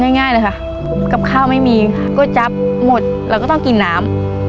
ง่ายเลยค่ะกับข้าวไม่มีก๋วยจับหมดเราก็ต้องกินน้ำ